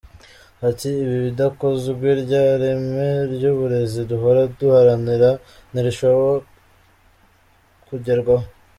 Ati « Ibi bidakozwe, rya reme ry’uburezi duhora duharanira ntirishoba kugerwaho.